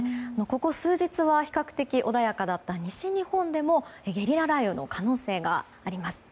ここ数日は比較的穏やかだった西日本でもゲリラ雷雨の可能性があります。